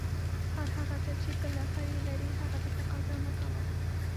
هر هغه څه چې بل نفر یې لري، هغه ته تقاضا مه کوه.